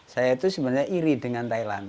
saya itu sebenarnya iri dengan thailand